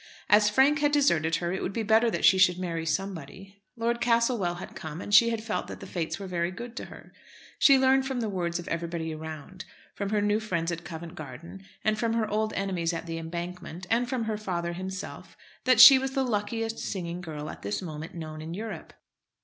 As Frank had deserted her, it would be better that she should marry somebody. Lord Castlewell had come, and she had felt that the fates were very good to her. She learned from the words of everybody around, from her new friends at Covent Garden, and from her old enemies at "The Embankment," and from her father himself, that she was the luckiest singing girl at this moment known in Europe.